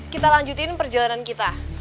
kita lanjutkan perjalanan kita